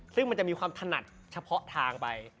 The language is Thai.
ซึ่งมันจะมีความถนัดเฉพาะทางไป